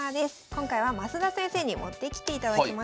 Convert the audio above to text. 今回は増田先生に持ってきていただきました。